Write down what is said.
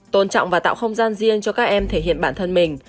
tôn trọng và tạo không gian riêng cho các em thể hiện bản thân mình